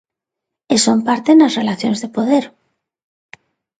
E son parte nas relacións de poder.